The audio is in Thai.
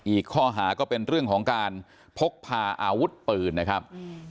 อีกข้อหาก็เป็นเรื่องของการพกพาอาวุธปืนนะครับ